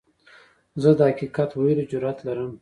زه د حقیقت ویلو جرئت لرم.